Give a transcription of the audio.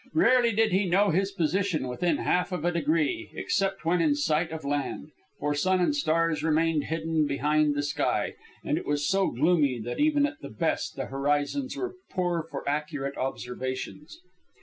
Rarely did he know his position within half of a degree, except when in sight of land; for sun and stars remained hidden behind the sky, and it was so gloomy that even at the best the horizons were poor for accurate observations.